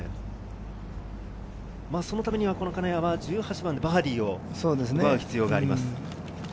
そのためには金谷は１８番でバーディーを奪う必要があります。